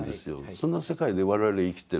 そんな世界で我々生きてる。